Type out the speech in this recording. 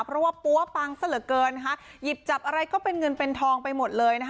พอว่าปั้้วปังสะเหลือเกินหยิบจับอะไรก็เป็นเงินเป็นทองไปหมดเลย